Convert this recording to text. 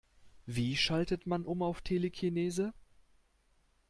Wie schaltet man um auf Telekinese?